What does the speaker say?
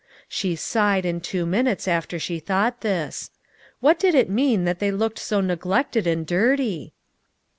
She sighed in two minutes after she thought this. What did it mean that they looked so neglected and dirty?